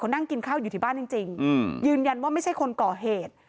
นั่งกินข้าวอยู่ที่บ้านจริงยืนยันว่าไม่ใช่คนก่อเหตุ